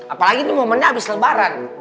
apalagi ini momennya abis lebaran